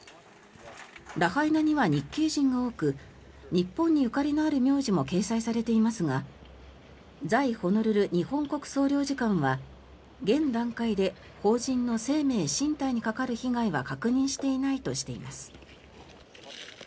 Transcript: ラハイナには日系人が多く日本にゆかりのある名字も掲載されていますが在ホノルル日本国総領事館は現段階で邦人の生命、身体に係る被害は確認していないとしています。